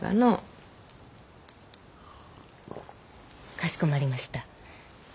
かしこまりました。